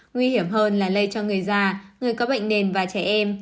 nguy hiểm hơn là lây cho người già người có bệnh nền và trẻ em